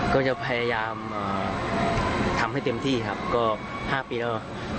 ก็จะพยายามทำให้เต็มที่ครับก็๕ปีแล้ว